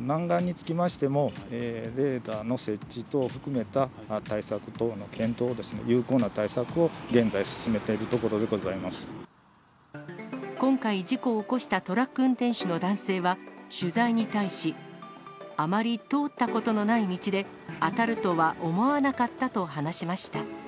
南岸につきましても、レーダーの設置等含めた対策等の検討をですね、有効な対策を現在今回、事故を起こしたトラック運転手の男性は、取材に対し、あまり通ったことのない道で、当たるとは思わなかったと話しました。